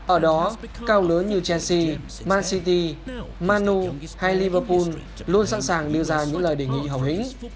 ở đó cao lớn như chelsea man city manu hay liverpool luôn sẵn sàng đưa ra những lời đề nghị hậu hĩnh